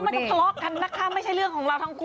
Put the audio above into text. เขาไม่ต้องทะเลาะกันนะคะไม่ใช่เรื่องของเราทั้งคู่